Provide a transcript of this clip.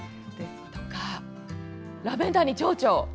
ラベンダーにちょうちょ。